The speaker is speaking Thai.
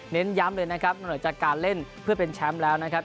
ย้ำเลยนะครับนอกเหนือจากการเล่นเพื่อเป็นแชมป์แล้วนะครับ